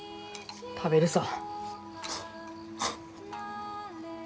食べるさ。